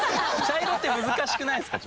茶色って難しくないっすか？